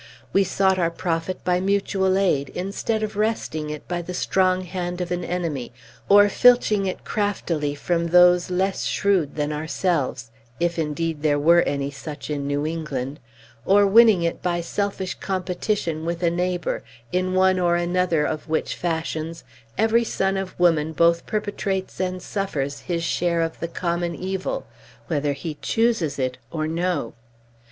We sought our profit by mutual aid, instead of wresting it by the strong hand from an enemy, or filching it craftily from those less shrewd than ourselves (if, indeed, there were any such in New England), or winning it by selfish competition with a neighbor; in one or another of which fashions every son of woman both perpetrates and suffers his share of the common evil, whether he chooses it or no.